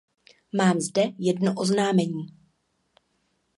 Mám zde jedno oznámení.